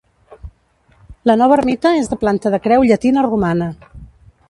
La nova ermita és de planta de creu llatina romana.